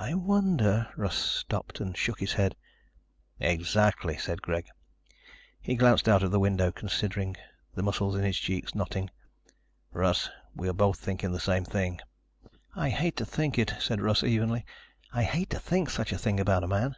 "I wonder ..." Russ stopped and shook his head. "Exactly," said Greg. He glanced out of the window, considering, the muscles in his cheeks knotting. "Russ, we both are thinking the same thing." "I hate to think it," said Russ evenly. "I hate to think such a thing about a man."